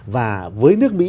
và với nước mỹ